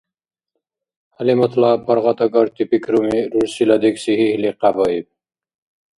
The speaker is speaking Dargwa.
ХӀялиматла паргъатагарти пикруми рурсила декӀси гьигьли къябаиб.